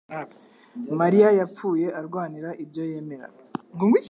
mariya yapfuye arwanira ibyo yemera